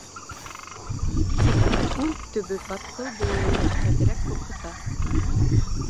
Тик күл төбө батҡыл булыуы әҙерәк ҡурҡыта.